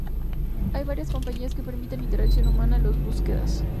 Hay varias compañías que permiten interacción humana en sus búsquedas.